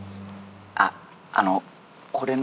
あっあのう。